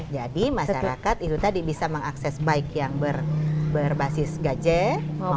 jadi masyarakat itu tadi bisa mengakses baik yang berbasis gadget